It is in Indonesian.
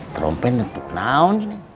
trompet untuk naon